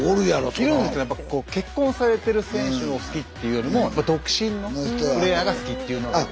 いるんですけど結婚されてる選手を好きっていうよりも独身のプレーヤーが好きっていうのが多いですから。